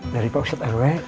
dari pak ustadz rw